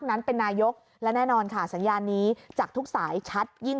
นั้นเป็นนายกและแน่นอนค่ะสัญญาณนี้จากทุกสายชัดยิ่ง